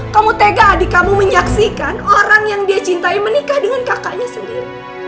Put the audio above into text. kamu tega adik kamu menyaksikan orang yang dia cintai menikah dengan kakaknya sendiri